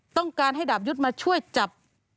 ต้องการให้ดาบยุทธ์มาช่วยจับ